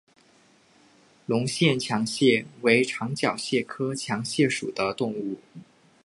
隆线强蟹为长脚蟹科强蟹属的动物。